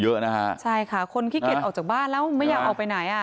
เยอะนะฮะใช่ค่ะคนขี้เกียจออกจากบ้านแล้วไม่อยากออกไปไหนอ่ะ